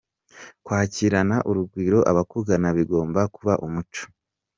Kwakirana urugwiro abakugana bigomba kuba umuco